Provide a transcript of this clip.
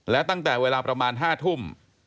และตั้งแต่เวลาประมาณ๕ทุ่ม